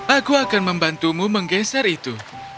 aku akan membantumu menggeser itu